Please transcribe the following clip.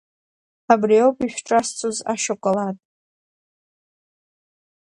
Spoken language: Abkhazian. Абриоуп ишәҿасҵоз ашьоколад!